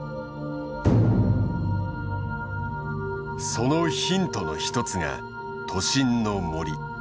そのヒントの一つが都心の森。